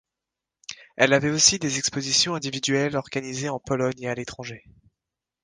Elle avait aussi des expositions individuelles organisées en Pologne et à l’étranger.